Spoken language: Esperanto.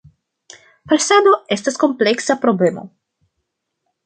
Falsado estas kompleksa problemo.